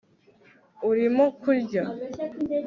Urimo kurya